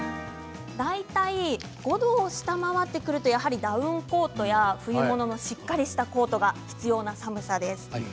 大体５度を下回ってくるとやはりダウンコートや冬物のしっかりしたコートが必要な寒さです。